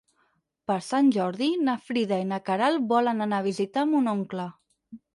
Per Sant Jordi na Frida i na Queralt volen anar a visitar mon oncle.